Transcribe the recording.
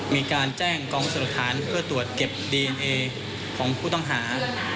มีการแจ้งกองพยาบาลสลักทานเพื่อตรวจเก็บดินเอนเอของผู้ต้องหา